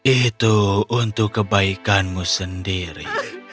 itu untuk kebaikanmu sendiri